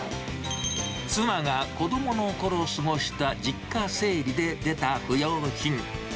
妻が子どものころ過ごした実家整理で出た不用品。